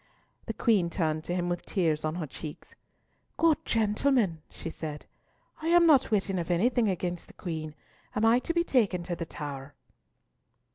The Queen turned to him with tears on her cheeks. "Good gentlemen," she said, "I am not witting of anything against the Queen. Am I to be taken to the Tower?"